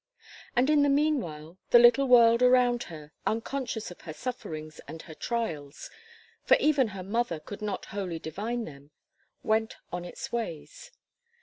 And in the meanwhile, the little world around her, unconscious of her sufferings and her trials for even her mother could not wholly divine them went on its ways.